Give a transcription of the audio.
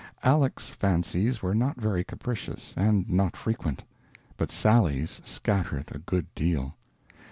Aleck's fancies were not very capricious, and not frequent, but Sally's scattered a good deal.